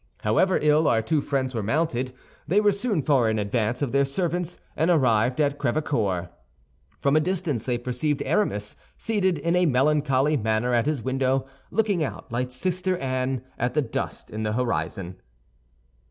However ill our two friends were mounted, they were soon far in advance of their servants, and arrived at Crèvecœur. From a distance they perceived Aramis, seated in a melancholy manner at his window, looking out, like Sister Anne, at the dust in the horizon.